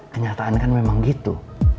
kenyataan kan memang gitu